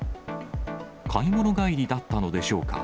買い物帰りだったのでしょうか。